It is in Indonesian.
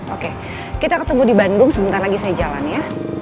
oke kita ketemu di bandung sebentar lagi saya jalan ya